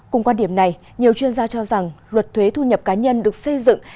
cùng quan điểm này nhiều chuyên gia cho rằng luật thuế thu nhập cá nhân được xây dựng